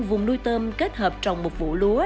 vùng nuôi tôm kết hợp trồng một vũ lúa